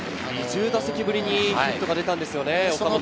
２０打席振りにヒットが出たんですよね、岡本。